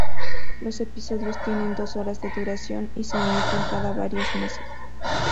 Los episodios tienen dos horas de duración y se emiten cada varios meses.